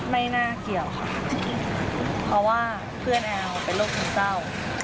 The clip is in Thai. ไม่น่าเกี่ยวค่ะเพราะว่าเพื่อนแอลเป็นโรคซึมเศร้า